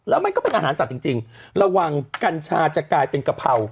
แล้วมันก็เป็นอาหารสัตว์จริงระวังกัญชาจะกลายเป็นกะเพรา